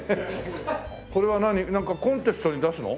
これはなんかコンテストに出すの？